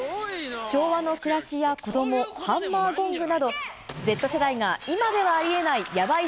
昭和の暮らしや子ども、ハンマーゴングなど、Ｚ世代が今ではありえないやばい